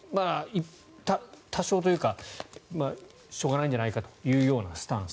多少というかしょうがないんじゃないかというスタンス。